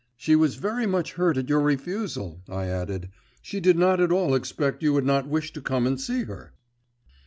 She was very much hurt at your refusal,' I added; 'she did not at all expect you would not wish to come and see her.